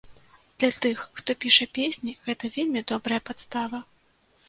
Для тых, хто піша песні, гэта вельмі добрая падстава.